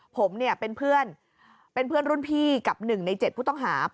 ผมเนี่ยเป็นเพื่อนเป็นเพื่อนรุ่นพี่กับ๑ใน๗ผู้ต้องหา